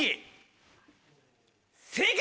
正解！